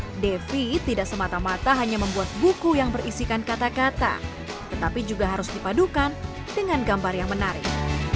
menurut devi tidak semata mata hanya membuat buku yang berisikan kata kata tetapi juga harus dipadukan dengan gambar yang menarik